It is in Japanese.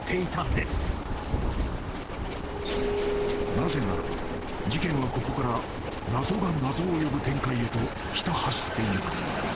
［なぜなら事件はここから謎が謎を呼ぶ展開へとひた走ってゆく］